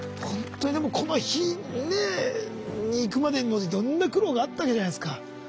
ほんとにでもこの日ねえにいくまでにもいろんな苦労があったわけじゃないですか。